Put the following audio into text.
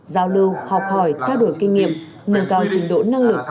giao lưu học hỏi trao đổi kinh nghiệm nâng cao trình độ năng lực